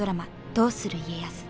「どうする家康」。